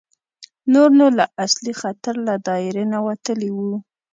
نور نو له اصلي خطر له دایرې نه وتلي وو.